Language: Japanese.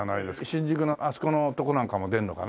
新宿のあそこのとこなんかも出るのかな？